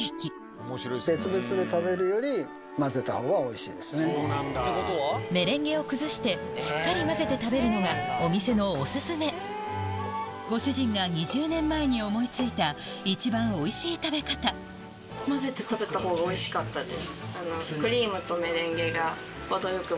しかしこのメレンゲを崩してしっかり混ぜて食べるのがお店のオススメご主人が２０年前に思い付いた一番おいしい食べ方方がおいしかったです。